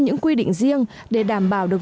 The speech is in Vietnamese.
những quy định riêng để đảm bảo được